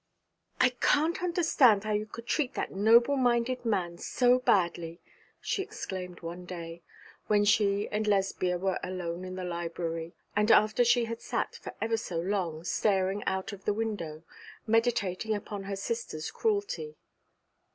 'I can't understand how you could treat that noble minded man so badly,' she exclaimed one day, when she and Lesbia were alone in the library, and after she had sat for ever so long, staring out of the window, meditating upon her sister's cruelty.